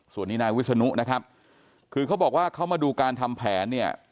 ส่วนนี้นายวิศนุนะครับคือเขาบอกว่าเขามาดูการทำแผนเนี่ย